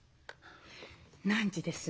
何時です？